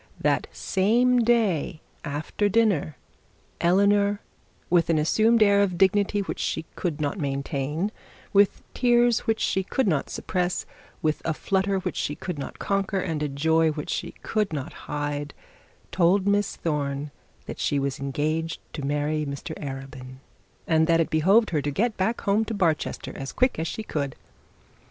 That same day, after dinner, Eleanor, with an assumed air of dignity which she could no maintain, with tears that she could not suppress, with a flutter which she could not conquer, and a joy which she could not hide, told Miss Thorne that she was engaged to marry Mr Arabin, and that it behoved her to get back home to Barchester as quick as she could.